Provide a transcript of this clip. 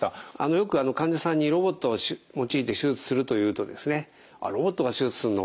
よく患者さんにロボットを用いて手術すると言うと「ロボットが手術するの？